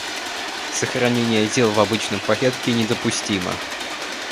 Сохранение дел в обычном порядке недопустимо.